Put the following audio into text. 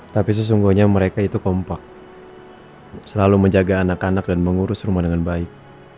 tapi sesungguhnya mereka itu kompak selalu menjaga anak anak dan mengurus rumah dengan baik